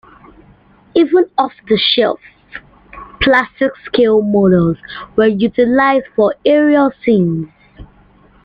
Even off-the-shelf plastic scale models were utilized for aerial scenes.